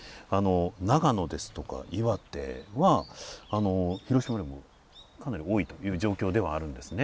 長野ですとか岩手は広島よりもかなり多いという状況ではあるんですね。